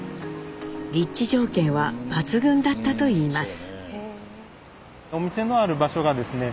立地条件は抜群だったといいます。